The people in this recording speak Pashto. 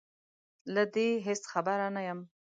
له دې هېڅ خبره نه یم